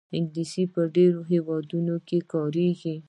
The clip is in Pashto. انګلیسي په ډېرو هېوادونو کې کارېږي